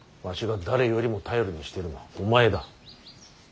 わしが誰よりも頼りにしているのはお前だ。